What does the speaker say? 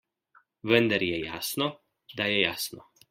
Vendar je jasno, da je jasno.